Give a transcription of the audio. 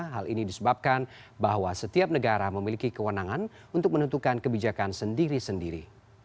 hal ini disebabkan bahwa setiap negara memiliki kewenangan untuk menentukan kebijakan sendiri sendiri